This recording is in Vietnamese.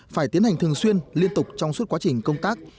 phải tiến hành thường xuyên liên tục trong suốt quá trình công tác